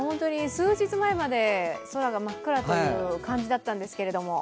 数日前まで、空が真っ暗という感じだったんですが。